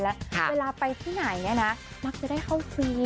เวลาไปที่ไหนเนี่ยนะคะมักจะได้เข้ากรีม